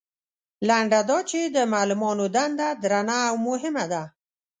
لنډه دا چې د معلمانو دنده درنه او مهمه ده.